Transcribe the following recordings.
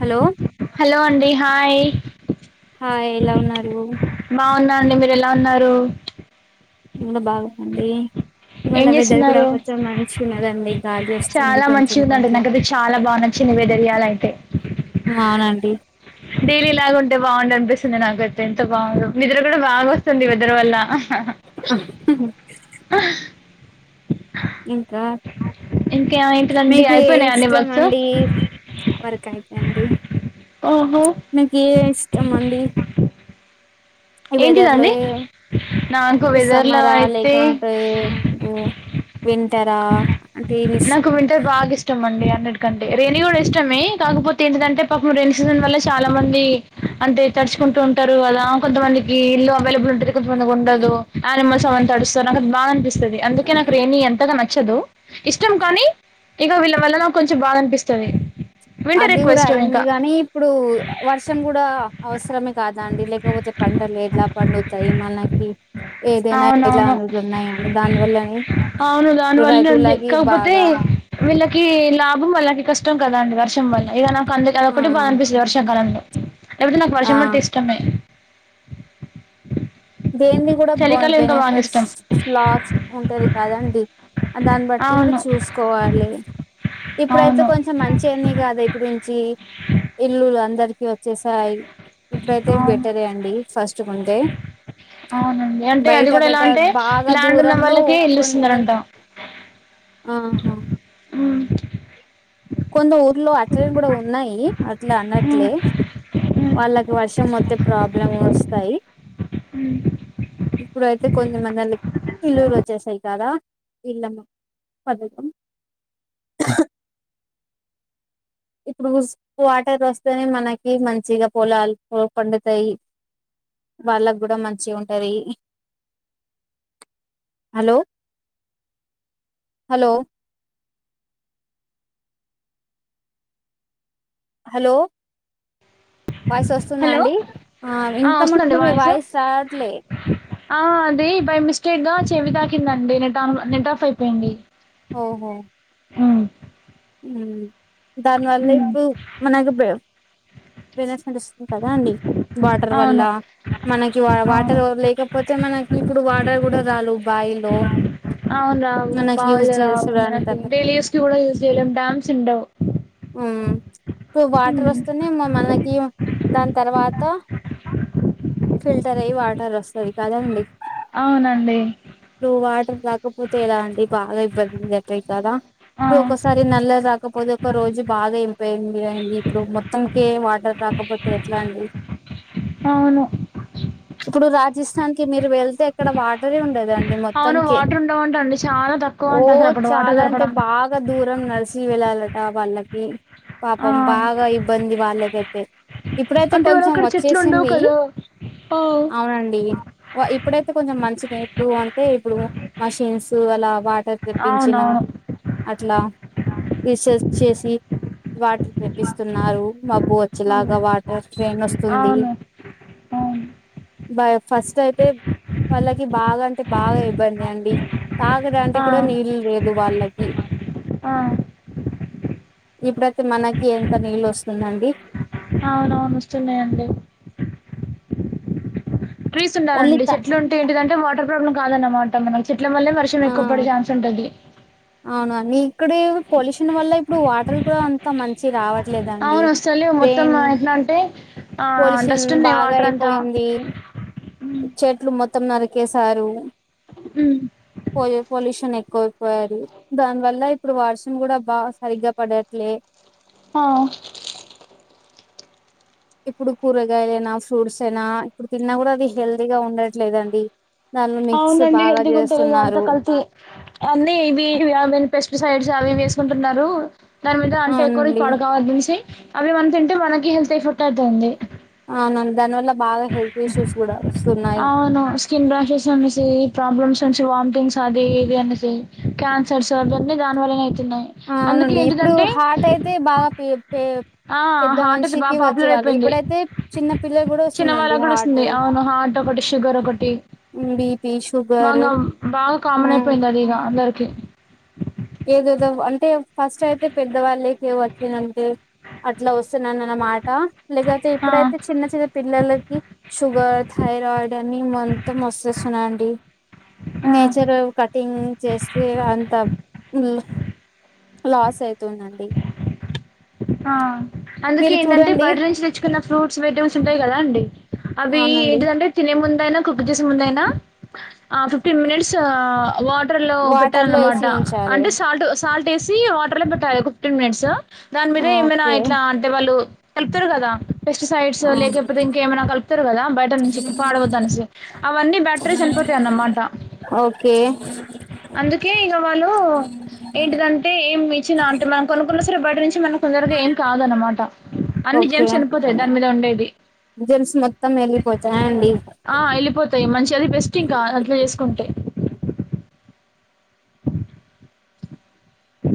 Hello hello అండి hi? ఆయ్ ఎలా ఉన్నారు? బావున్నా అండి మీరు ఎలా ఉన్నారు? నేను కూడా బాగునండి. ఏం ఇవాళ వెదర్ కూడా చేస్తున్నారు కొంచెం మంచిగా ఉన్నదండి గాలి వస్తుంది కొంచెం కొంచెం చిన్న బెదర్యాల అయితే మావునన్ డైలీ లాగా ఉంటే బావుంది అనిపిస్తుంది నాకైతే ఎంత బాగు నిద్ర కూడా బాగా వస్తుంది ఇ విదరు వల్ల ఆహు ఇంకా ఇంకా ఏంటిదండి మీకు ఏయి అయిపోయినాయా అన్ని ఇష్టం వర్క్స్ అండి వర్కన్ అండి ఓహో మీకు ఏ ఇష్టం అండి? ఈ వెదర్లో ఏంటిదండి ఏ నాకు ఇ వెదర్లో సమ్మరా అయితే లేకుంటే ఉ వింటరా? అంటే నాకు వింటర్ బాగా ఇష్టం అండి. అన్నిటికంటే రైనీ కూడా ఇష్టమే కాకపోతే ఏంటిదంటే పాపం రేయిని సీజన్ వల్ల చాలా మంది అంతే పడుచుకుంటూ ఉంటరు అలా కొంతమందికి ఇల్లు అవైబుల్ ఉం కొంతమంది ఉండదు ఆనిమల్స్ అవ తడుస్తాయ్ నాకు అది బాద అనిపిస్తది అందుకే నాకు రైనీ అంతగా నచ్చదు ఇష్టం కానీ ఇక వీళ్ళ వల్ల నాకు కొంచెం బాధ అనిపిస్తది వింటర్ అది ఎక్కువ కూడా ఇష్టం అయింది ఇంకా కానీ ఇప్పుడు వర్షం కూడా అవసరమే కాదండి లేకపోతే ప పండలు ఎట్లా పండుతాయి మనకి ఏదైనా ఇట్లా అవునవును అనేది ఉన్నాయండి దానివల్లనే అవును ఇప్పుడు దానివల్లనే ఉంది రైతులకి కాకపోతే బాగా వీళ్ళ కి లాభం వాళ్ళకి కష్టం కదా అండి వర్షం వల్ల ఇగ నాకు అందు ఆ అదొఒకటి బాధ అనిపిస్తుంది వర్షాకాలంలో లేకపోతే నాకు ఆ వర్షం అంటి ఇష్టమే దేంది కూడా బ చలికాలం ఇంకా బాగా బెనిఫిట్స్ ఇష్టం లాస్ ఉంటది కదా అండి దాన్ని బట్టి ఇప్పుడు అవును చూసుకోవాలి ఇప్పుడైతే అవును కొంచెం మంచి అని కాదా ఇప్పుడు నుంచి ఇల్లు ఇప్పు అందరికి వచ్చేసాయ్ ఇప్పుడైతే అవును బెటరే అండి ఫస్ట్ ఉంటే అవునండి అంటే అది బయట కూడా ఎలా బయట అంటే బాగా ల్యాండ్ ఉన్న దూరంలో వాళ్ళకి ఇల్లు కొన్న ఇస్తున్నారంట ఆహా అవును కొంద ఊర్లో అట్ల కూడా ఉన్నాయి అట్లా అన్నట్లే వాళ్ళకి వర్షం మొత్తే ప్రాబ్లం వస్తాయి అ ఇప్పుడయితే కొదిమందిల ఇల్లూరు వచ్చేస్తాయి కదా ఇల్లమ్మ పథకం ఇప్పుడు వాటర్ వస్తేనే మనకి మంచిగ పొలాలు పండుతాయి వాళ్ళకు గూడ మంచి ఉంటది హలో హలో హలో వాయిస్ వస్తుంద హలో అండి ఆ ఇంతముందు మీ వాయిస్ రాట్లే ఆ అది బై మిస్టేక్ గా చెవి తాకిందండి నెట్ ఆన్ నెట్ ఆఫ్ అయిపోయింది ఓహో ఉ దానివల్ల ఇప్పుడు మనకు వినస్తుంది కదా అండి వాటర్ వల్ల అవును మనకి వా అవును వాటర్ లేకపోతే మనకి ఇప్పుడు వాటర్ కూడా రాల బాయిల్లో అవును రావు బావిలో రావు మనకి చేసడంటారు డైలీ యూస్కి కూడా యూస్ చేయలేం డ్యామ్స్ ఉండవ్ ఆ ఇప్పుడు వాటర్ వస్తేనే మనకి దాని తర్వాత ఫిల్టర్ అయ్ వాటర్ వస్తది కదండి అవునండి ప్పుడు వాటర్ రాకపోతే ఎలా అండి బాగ ఇబ్బంది అయితయ్ కదా ఆ ఇప్పుడు ఒకసారి నల్ల రాకపోతే ఒక రోజు బాగా ఏ అ పోయింది అండి ఇప్పుడు మొత్తంకే వాటర్ రాకపోతే ఎట్లా అండి అవును ఇప్పుడు రాజస్థాన్ కి మీరు వెళ్తే ఇక్కడ వాటరే ఉండదం అవును మొత్తంకే వాటర్ ఉండవంట అండి చాలా తక్కువ ఓ అంట అసలు అప్పుడు వాటర్ చాలా అంటే దొరకడం బాగా దూరం నలిసి వెళ్ళాలట వాళ్ళకి ఆ పాపం బాగా ఇబ్బంది వాళ్ళకైతే ఇప్పుడైతే అంటే వాళ్ళ కొంచెం అక్కడ చెట్లు ఉండవు వచ్చేసింది కదా ఆ అవునండి ఒ ఇప్పుడైతే కొ కొంచం మంచిది ఇప్పుడు అంటే ఇప్పుడు మషిన్స్ అలా వా టర్ తెప్పించిన అవునవును అట్లా రీసెర్చ్ చేసి వాటర్ తెప్పిస్తున్నారు మబ్బు వచ్చేలాగా వాటర్ ట్రైన్స్తుంది అవును అవును బయ ఫస్ట్ అయితే వాళ్ళకి బాగా అంటే బాగా ఇబ్బందే అండి తాగడాంటి ఆ కూడా నీళ్ళు లేదు వాళ్ళకి ఆ ఇప్పుడైతే మనకి ఎంత నీళ్ళు ఒస్తుందండి అవునవును వస్తున్నాయండి ట్రీస్ ఓన్లీ ఉండాలండి త చెట్లు ఉంటే ఏంటిందంటే వాటర్ ప్రాబ్లమ్ కాదన్నమాట మనక్ చెట్ల వల్లే వర్షం ఆ ఎక్కువ పడే ఛాన్స్ ఉంటది నీక్కూడివ్ పొల్యూషన్ వల్ల ఇప్పుడు వాటర్ కూడా అంత మంచి రావట్ ట్లేదండి అవును వస్తలేవు మొత్తం ట్రేను ఎట్లా అంటే ఆ పోలీషన్ డస్ట్ ఉన్నాయి బాగా వాటర్ అంతా అయిపోయింది చెట్లు మొత్తం నరికేశారు మ్మ్ పోలి పొలిషన్ ఎ కోపోయారి దానివల్ల ఇప్పుడు వర్షం కూడా బాగా సరిగ్గా పడట్లే ఆ ఇప్పుడు కూరగాయలైనా ఫ్రూట్స్ అయినా ఇప్పుడు తిన్నా గూడా అది హెల్దీగా ఉండట్లేదండి దానిలో మిక్స్ అవునండి బాగా హెల్దీ గుంటలేద్ అంతా చేస్తున్నారు కల్తీ అన్నీ ఇవి అవిన్ పెస్టిసైడ్స్ అవివి స్కుంటున్నారు దాని మీద అంటే ఎక్కువ రె అవునండి పడుగావ చూసి అవి మనం తింటే మనకి హెల్త్ ఎఫెక్ట్ అయితంది అవునన్ దాని వల్ల బాగా హల్త్ ఇష్యూస్ కూడా వస్ అవును స్కిన్ ర్రాషెస్ అనేసి ప్రాబ్లమ్స్ కొంచి వాంటింగ్స్ అది ఇది అనేసి క్యాన్సర్స్ అవన్నీ దాని వలనే అయితున్నాయ్ ఆ అందుకె అవునండి ఇప్పుడు ఏంటిదంటే హార్ట్ అయితే బాగా పె పె ఆ పెద్ద హాట్ అయితే బాగా మనిషికి పాపులర్ వచ్చేవాళ్ళు అయిపోయింది ఇప్పుడైతే చిన్న పిల్లలు కూడా చిన్నవాళ్ళ వస్తుందండి కూడా హార్ట్ అస్తుంది అవును హాట్ ఒకటి షుగర్ ఒకటి బిపి షుగర్ మగం బాగా కామన్ అయిపోయింది అది ఇగా అందర్కి ఏదోదో అంటే ఫస్ట్ అయితే పెద్దవాళ్ళకె వచ్చినంటే అట్లా వస్తున్నన్నాన్మాట లేదాతే ఆ ఇప్పుడైతే చిన్న చిన్న పిల్లలకి షుగర్ థైరాయిడ్ అని మంత్ మస్తస్ న్నాయండి ఆ నేచర్ కటింగ్ చేస్తే అంత లాస్ అయితుందండి ఆ అందుకే ఏంటంటే చూడండి బయాట నుంచి తెచ్చుకున్న ఫ్రూట్స్ వెజ్టేబుల్స్ ఉంటాయి కదా అండి అవి అవునండి ఎంటిందంటే తినె ముం దైన కుక్ చేసేముందైనా ఫిఫ్టీన్ మినిట్స్ అ వా టర్ లో వాటర్ లో వేసి పెట్టాలన్మాట ఉంచాలి అంటే సాల్ట్ సాల్ట్ ఎసి వాటర్ లో పెట్టాలి ఫిఫ్టీన్ మినిట్స్ దాని మీద ఆ ఏమైనా ఓకే ఇట్లా అంటే వాళ్ళు కల్పుతర్ గదా పెస్టిసైడ్స్ ఆ లేకపోతే ఇంకేమైనా కల్పుతారు కదా బయట నుంచి పాడవద్దనేసి అవన్నీ బ్యాట్రీ చనిపో అన్నమాట ఓకే అందుకే ఇంగ వాళ్ళు ఏంటిదంటే ఏం ఇచ్చిన అంటే మనం కొనుకున్న కొందరగా ఏం కాద్ అన్నమాట అన్ని ఓకే జెమ్స్ చనిపోతాయి దాని మీద ఉండేటీయ్ జెమ్స్ మొత్తం వెళ్ళిపోతాయా అండి ఆ ఎళ్ళిపోతాయ్ మంచిగది బెస్ట్ ఇంకా అట్ల చేసుకుంటే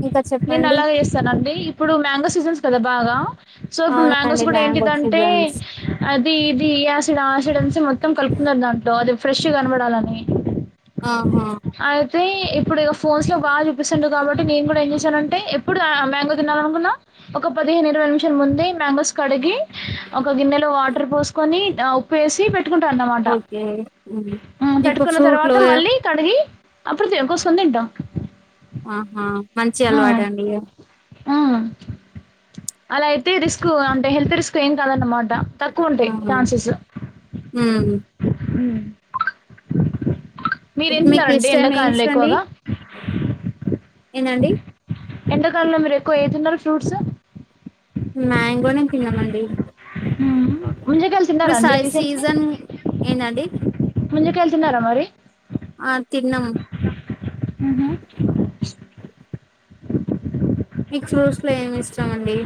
ఇంకా నేన్ చెప్పండి అలాగే చేస్తానండి ఇప్పుడు మ్యాంగో సీజన్స్ కదా బాగా సో ఇప్పుడు మ్యాంగోస్ అవునండి కూడా మ్యాంగో ఏంటిదంటే సీజన్స్ అది ఇది ఇ యాసిడ్ అ ఆసిడ్ అనేస్ మొ త్తం కలుపుతున్నారు దాంట్లో అది ఫ్రెష్ కన్బడాలని ఆహా అయితే ఇప్పుడు ఇగ ఫోన్స్ లో బాగా చూపిస్తుండ్లు కాబ నేన్ గూడా ఏం చేశానంటే ఎప్పుడు మ్యాంగో తినాలనుకున్నా ఒక పదిహేను ఇరవై నిమిషాల ముందే మ్యాంగోస్ కడి గి ఒక గిన్నెలో వాటర్ పోసుకొని ఉప్పు ఎసి పెట్టుకుంట అన్నమాట ఓకే మ్మ్ అ మీకు పెట్టుకున్న ఫ్రూట్లు తర్వాత మళ్ళీ కడిగి అప్పుడు తే కోస్కొని తింటాం ఆహా మంచి అలవాటే అండి ఆ అలా అయితే రిస్క్ అంటే హెల్త్ రిస్క్ ఏం కాదన్నమా ట తక్కువుంటాయ్ ఆహా చాన్సెస్ మ్మ్ ఉమ్ మీరేం తిన్నరం చే మీల్స్లండి ఏందండి ఎండకాలంలో మీరెక్కువ ఏదిన్నారు ఫ్రూట్స్ మ్యాంగోనే తిన్నామండి హ్మ్. ముంజకాయలు ఇప్పుడు తిన్నారా అండి సైజ్ రీసెంట్‌లీ? సీజన్ ఏందండి ముంజకాయలు తిన్నారా మరి? ఆ తిన్నం ఉహు మీక్ ఫ్రూట్స్ లో ఏమిష్టమండి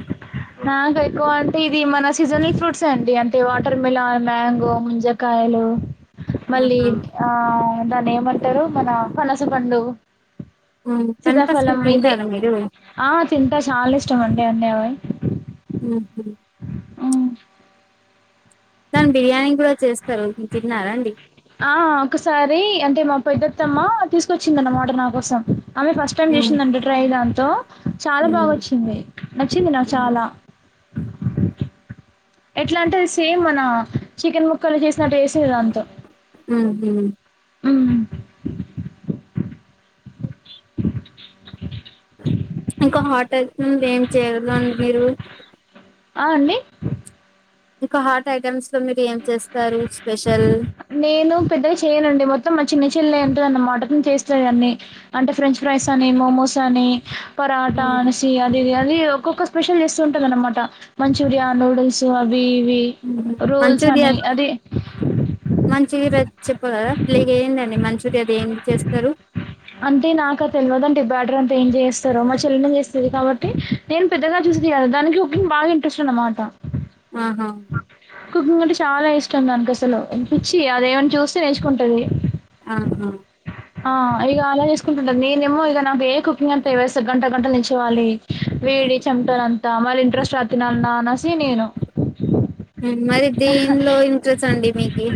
నాకెక్కువ అంటే ఇది మన సీజనల్ ఫ్రూట్స్ ఎ అండి అంటే వాటర్ మిలాన్ మ్యాంగో ముంజక కాయలు మళ్ళీ ఆహా ఆ దాన్నేంమంటారు మన పనస పండు మ్మ్ కానీ ఫస్ట్ సీతాఫలం ఇదే తింటారా మీరు ఆ తింటా చాలా ఇష్టం అండి అన్నీ అవి ఉహు ఉమ్. దాన్ బిర్యానీ కూడా చేస్తారు తిన్నారాండి ఆ ఒకసారి అంటే మా పెద్దత్తమ్మ తీసుకొచ్చింది అన్నమాట నా కోసం ఆమె ఫస్ట్ టైమ్ ఉహు చేసిందండి ట్రై దాన్తో చాలా బాగొచ్చింది నచ్చింది నాక్ చాలా ఉ ఎట్లంటే సేమ్ మన చికెన్ ముక్కలు చేసినట్టు చేసెది దాంతో ఉమ్ [unintelligible] ఏం చేయర్గండి మీరు ఆ అండి ఇంక హార్ట్ ఐటమ్స్ లో మీరు ఏం చేస్తారు స్పెషల్ నేను పెద్దగా చెయనండి మొత్తం మా చిన్న చెల్లె అంటదన్న మట నేన్ చేస్తది అన్ని అంటే ఫ్రెంచ్ ఫ్రైస్ అని మోమోస్ అని పరాట అన్సి అదిది అది ఒక్కొక్క స్పెషల్ చేస్తు ఉంటది అన్నమాట మంచూరియా నూడుల్స్ వివి రోల్స్ మంచూరియా అని అది చీరద్ చెప్ప గదా లేక ఏందండి మంచూర్యా దేనికి చేస్తారు అంటే నాక తెలవదంటే బ్యాడర్ అంటే ఏం చేస్తారో మా చెల్లె నె చేస్తది కాబట్టి నేన్ పెద్దగా చూస్ చేయాలి దానికి కుకింగ్ బాగా ఇంట్రెస్ట్ అన్న మాట ఆహా కుకింగ్ అంటే చాలా ఇష్టం దానికి అసలు పిచ్చి అదేమని చూస్తే నేర్చుకుంటది ఆహా ఆ ఇగ అలా చేసుకుంటుంటంది నేనేమో ఇగ నాకు ఏ కుకింగ్ అంత వేస్త గంట గంట నించోవాలి వేడి చమ్టాలంత మరి ఇంట్రెస్ట్ రాద్ తినాలాన్నా అనేసి నేను మరి దెన్లో ఇంట్రెస్ అండి మీకి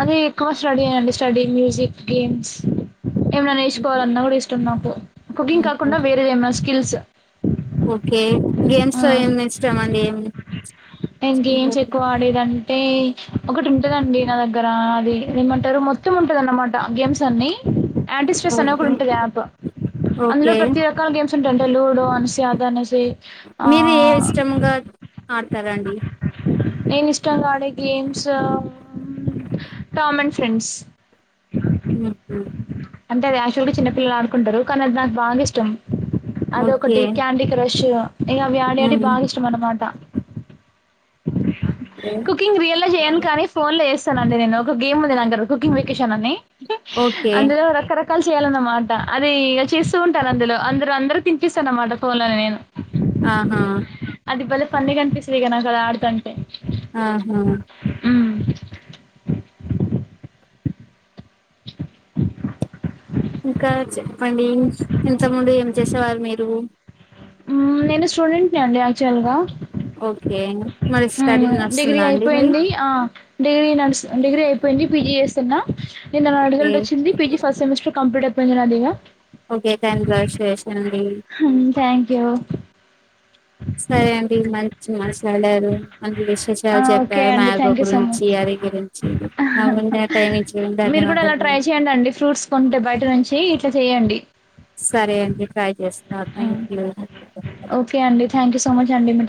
అదే ఎక్కువ స్టడీ అండి స్టడీ మ్యూజిక్ గేమ్స్ ఏమైన నేర్చుకోవాలన్న కూడ ఇష్టం నాకు కుకింగ్ కాకుండ వేరేది ఏమైన స్కిల్స్ ఓకే గేమ్స్ ఆ! లో ఏమి ఇష్టం అండి ఏం నేను గేమ్స్ ఎక్కువ ఆడేదాన్ని ఏ ఒకటి ఉంటదండి నా దగ్గర అది ఏమంటరు మొత్తం ఉంటదన్నమాట గేమ్స్ అన్ని యాంటీ స్ట్రెస్ అని ఒకటి ఓకే ఉంటది యాప్ అందులో ఓకే ప్రతి రకాల గేమ్స్ ఉంటయంటే లూడో ఆన్సీ అది అనేసి ఆ పెన్ మార్కర్ అండి నేను ఇష్టంగా ఆడే గేమ్స్ పెన్స్ ఉ ఉమ్ అంటే అది యాక్చువల్ గ చిన్న పిల్లలు ఆడుకుంటరు కానీ అది నాకు బాగ ఇష్టం అది ఓకే. ఒకటి క్యాండీ క్రష్ ష్ ఇగ అవ్వి అడేటి హ్మ్. బాగ ఇష్టమనమాట ఓకే. కుకింగ్ రియల్ గ చేయను కానీ ఫోన్ లో ఏస్ అండి నేను ఒక గేమ్ ఉంది నా కుకింగ్ వెకేషన్ అని ఓకే. అందులో రకరకాలు చేయాలన్నమాట అది ఇ చేస్తూ ఉంటారు అందులో అందరు అందరు తినిపిస్త అన్నమాట ఫోన్ లోనే నేను ఆహా పండుగ అనిపిస్తుంది ఇగ నాకు ఆడతాఉంటె ఆహా ఇంకా చెప్పండి ఇంతకుముందు ఏం చేసేవారు మీరు ఊమ్ నేను స్టూడెంట్ ని అండి యాక్చువల్ గ ఓకే. మరి స్టడీ నేను డిగ్రీ నడుస్తుందా అండి మరి? అయిపోయింది ఆ డిగ్రీ నడుస్ డిగ్రీ అయిపోయింది పీజీ చేస్తున్న నేను నా ఓకే. రిజల్ట్ వచ్చింది పీజీ ఫస్ట్ సెమిస్టర్ కంప్లీట్ అవుంది పాయిరాదువు [unintelligible] ఓకే కంగ్రాట్యులేషన్ అండి హ్మ్. థ్యాంక్ యూ సరే అండి మం ట్లాడారు మంచి ఆ! విశేషాలు ఓకే చెప్పారు అండి మార్గో థ్యాంక్ యూ సో గురించి మచ్ అరి గురించి [inaudible] మీరు కూడ అల ధన్యవాదాలు. ట్రై చేయడి అండి ఫ్రూట్స్ కొంటే బయట నుంచి ఇట్ల చెయండి సరే అండి. ట్రై చేస్తా. ఉమ్ థాంక్యూ. ఓకే అండి థ్యాంక్ యూ సో మచ్ అండి మ